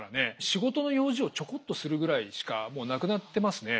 仕事の用事をちょこっとするぐらいしかもうなくなってますね。